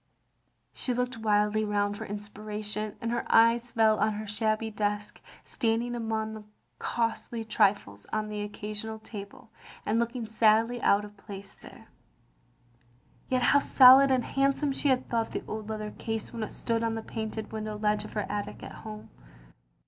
She looked wildly round for inspiration, and her eyes fell on her shabby desk, standing among the costly trifles on the occasional table, and looking sadly out of place there. Yet how solid and handsome she had thought the old leather case when it stood on the painted window ledge of her attic at home.